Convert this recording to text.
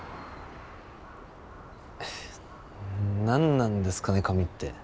何なんですかね髪って。